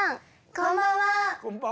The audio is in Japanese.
こんばんは。